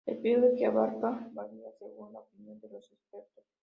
El periodo que abarca varía según la opinión de los expertos.